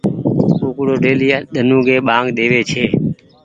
ڪوُڪڙو ڍيلي ۮن اوڳي ٻآنگ ۮيوي ڇي۔